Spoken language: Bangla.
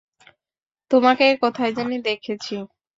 তোমাকে কোথায় জানি দেখেছি।